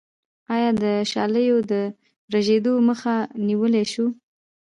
آیا د شالیو د رژیدو مخه نیولی شو؟